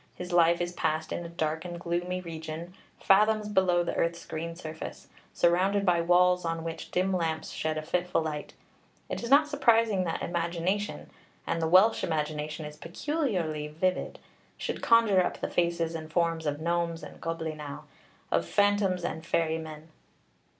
His life is passed in a dark and gloomy region, fathoms below the earth's green surface, surrounded by walls on which dim lamps shed a fitful light. It is not surprising that imagination (and the Welsh imagination is peculiarly vivid) should conjure up the faces and forms of gnomes and coblynau, of phantoms and fairy men.